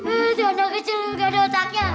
eh anak kecil gak ada otaknya